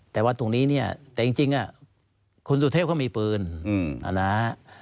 แต่ว่าตรงนี้เนี่ยแต่จริงคุณสุเทพเขามีปืนนะฮะ